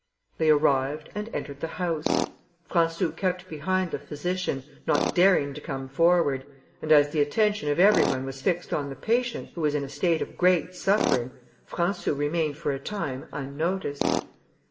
They arrived, and entered the house. Françou kept behind the physician, not daring to come forward, and as the attention of every one was fixed on the patient, who was in a state of great suffering, Françou remained for a time unnoticed.